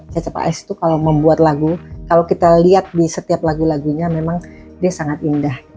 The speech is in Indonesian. cecep ice itu kalau membuat lagu kalau kita lihat di setiap lagu lagunya memang dia sangat indah